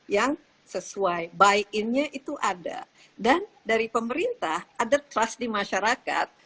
yang sesuai buy in nya itu ada dan dari pemerintah ada trust di masyarakat